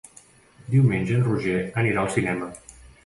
Diumenge en Roger anirà al cinema.